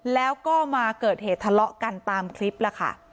แล้วก็มาเกิดเหตุทะเลาะกันตามคลิปล่ะค่ะ